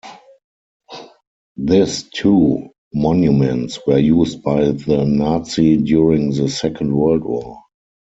This two monuments were used by the Nazi during the second world War.